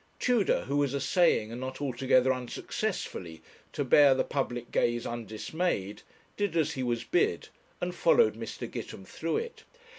Tudor, who was essaying, and not altogether unsuccessfully, to bear the public gaze undismayed, did as he was bid, and followed Mr. Gitemthruet.